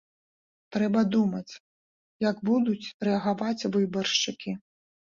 Трэба думаць, як будуць рэагаваць выбаршчыкі.